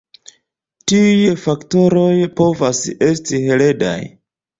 Tiuj faktoroj povas esti heredaj.